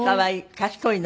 賢いの？